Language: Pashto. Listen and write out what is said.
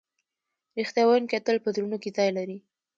رښتیا ویونکی تل په زړونو کې ځای لري.